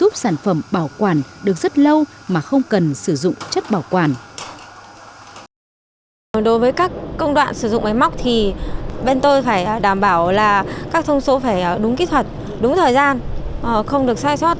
công đoạn sử dụng máy móc thì bên tôi phải đảm bảo là các thông số phải đúng kỹ thuật đúng thời gian không được sai sót